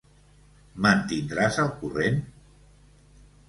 Me'n tindràs al corrent?